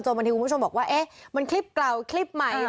บางทีคุณผู้ชมบอกว่าเอ๊ะมันคลิปเก่าคลิปใหม่